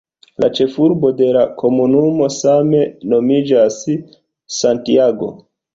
La ĉefurbo de la komunumo same nomiĝas "Santiago".